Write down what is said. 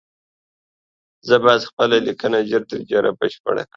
زه بايد خپله ليکنه ژر تر ژره بشپړه کړم